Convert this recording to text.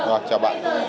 vâng chào bạn